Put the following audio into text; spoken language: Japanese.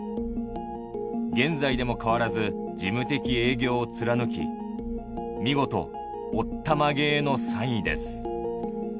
現在でも変わらず、事務的営業を貫き、見事おったまげーの三位です。